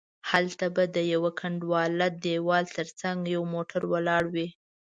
هلته به د یوه کنډواله دیوال تر څنګه یو موټر ولاړ وي.